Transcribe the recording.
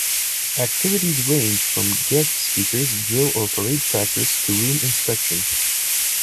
Activities range from guest speakers, drill or parade practice, to room inspections.